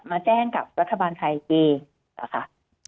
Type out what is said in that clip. มาแจ้งกับรัฐบาลไทยต่างแหละค่ะ